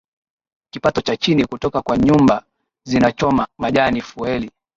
kipato cha chini hutoka kwa nyumba zinachoma majani fueli